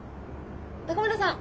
高村さん